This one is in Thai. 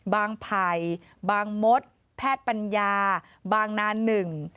ไผ่บางมดแพทย์ปัญญาบางนานหนึ่ง